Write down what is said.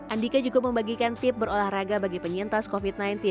andika juga membagikan tip berolahraga bagi penyintas covid sembilan belas